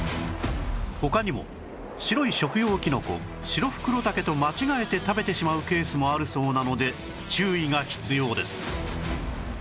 他にも白い食用キノコシロフクロタケと間違えて食べてしまうケースもあるそうなので注意が必要です